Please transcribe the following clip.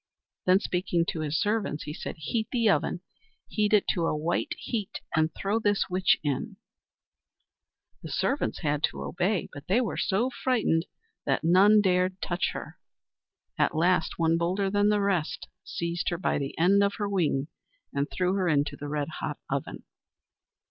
Then, speaking to his servants, he said: "Heat the oven, heat it to a white heat, and throw this witch in." The servants had to obey, but they were so frightened that none dared touch her. At last, one bolder than the rest seized her by the end of the wing and threw her into the red hot oven.